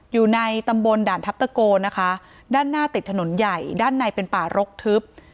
อยู่ในตำบลด่านทัพตะโกนะคะด้านหน้าติดถนนใหญ่ด้านในเป็นป่ารกทึบ